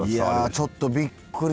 ちょっとびっくりですよ。